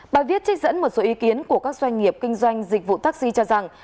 bài viết trích dẫn một số ý kiến của các doanh nghiệp kinh doanh dịch vụ taxi cho rằng